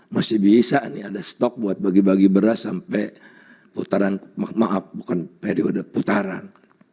masih bisa nih ada stok buat bagi bagi beras sampai putaran maaf bukan periode putaran